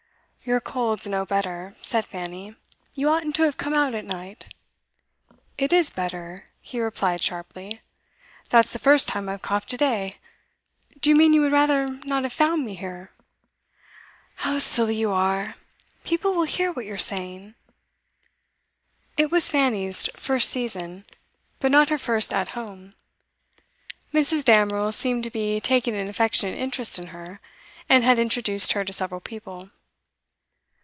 'Your cold's no better,' said Fanny. 'You oughtn't to have come out at night.' 'It is better,' he replied sharply. 'That's the first time I've coughed to day. Do you mean you would rather not have found me here?' 'How silly you are! People will hear what you're saying.' It was Fanny's 'first season,' but not her first 'at home.' Mrs. Damerel seemed to be taking an affectionate interest in her, and had introduced her to several people.